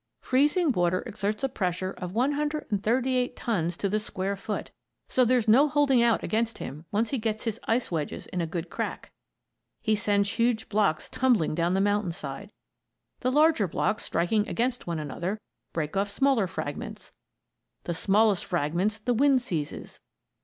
Freezing water exerts a pressure of 138 tons to the square foot; so there's no holding out against him once he gets his ice wedges in a good crack. He sends huge blocks tumbling down the mountainside. The larger blocks, striking against one another, break off smaller fragments. The smallest fragments the wind seizes.